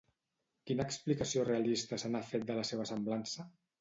Quina explicació realista se n'ha fet de la seva semblança?